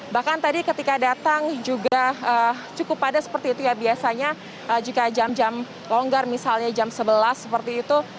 bahkan tadi ketika datang juga cukup padat seperti itu ya biasanya jika jam jam longgar misalnya jam sebelas seperti itu